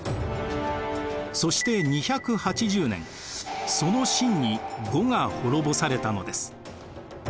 そして２８０年その晋に呉が滅ぼされたのです。